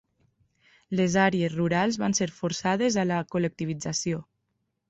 Les àrees rurals van ser forçades a la col·lectivització.